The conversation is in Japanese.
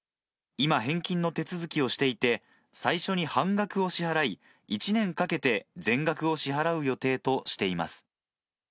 今、返金の手続きをしていて、最初に半額を支払い、１年かけて全額を支払う予定としています。